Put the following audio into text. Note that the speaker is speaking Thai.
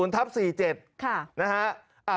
๒๐๐๔๗ค่ะนะฮะ